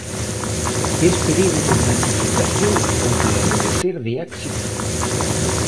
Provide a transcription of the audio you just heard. Ves perigo de masificación ou de adoecer de éxito?